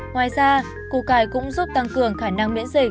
ngoài ra cu cải cũng giúp tăng cường khả năng miễn dịch